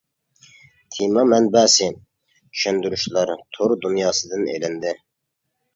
تېما مەنبەسى: چۈشەندۈرۈشلەر تور دۇنياسىدىن ئېلىندى.